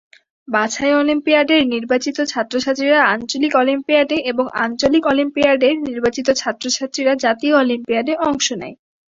বাছাই অলিম্পিয়াডের নির্বাচিত ছাত্রছাত্রীরা আঞ্চলিক অলিম্পিয়াডে এবং আঞ্চলিক অলিম্পিয়াডের নির্বাচিত ছাত্রছাত্রীরা জাতীয় অলিম্পিয়াডে অংশ নেয়।